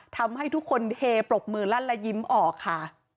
ทำให้ทุกคนเฮปรบมือลั่นและยิ้มออกค่ะ